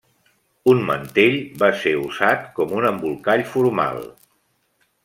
Un mantell va ser usat com un embolcall formal.